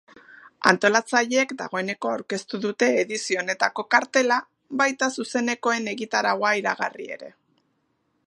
Antolatzaileek dagoeneko aurkeztu dute edizio honetako kartela, baita zuzenekoen egitaraua iragarri ere.